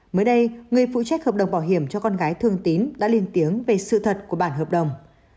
mới đây người phụ trách hợp đồng bảo hiểm cho con gái thường tín đã lên tiếng về sự thật của bản hợp đồng